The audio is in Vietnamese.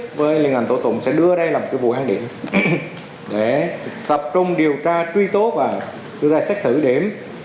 đề nghị liên hành tổ tụng sẽ đưa đây là một cái vụ an điểm để tập trung điều tra truy tố và đưa ra xét xử điểm